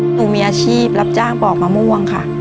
หนูมีอาชีพรับจ้างปอกมะม่วงค่ะ